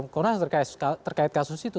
karena terkait kasus itu